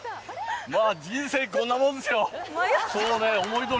まあ、人生、こんなもんですよ。